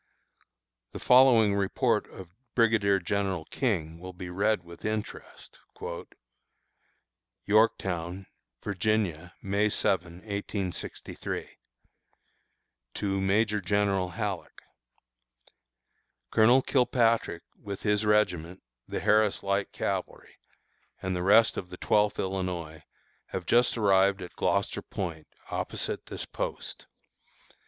The following report of Brigadier General King will be read with interest: YORKTOWN, Virginia, May 7, 1863. To Major General Halleck: Colonel Kilpatrick, with his regiment (the Harris Light Cavalry) and the rest of the Twelfth Illinois, have just arrived at Gloucester Point, opposite this post.